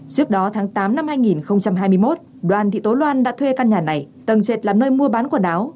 trước đó tháng tám năm hai nghìn hai mươi một đoàn thị tố loan đã thuê căn nhà này tầng trệt làm nơi mua bán quần áo